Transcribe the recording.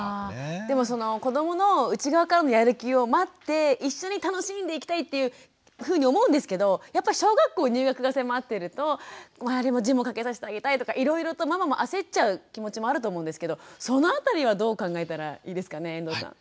でもその子どもの内側からのやる気を待って一緒に楽しんでいきたいっていうふうに思うんですけどやっぱり小学校入学が迫ってると周りも字も書けさせてあげたいとかいろいろとママも焦っちゃう気持ちもあると思うんですけどその辺りはどう考えたらいいですかね遠藤さん。